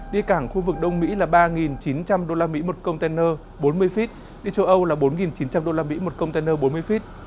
đi cảng khu vực đông mỹ là ba chín trăm linh usd một container bốn mươi feet đi châu âu là bốn chín trăm linh usd một container bốn mươi feet